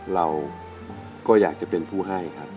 เราก็อยากจะเป็นผู้ให้ครับ